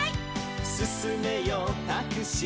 「すすめよタクシー」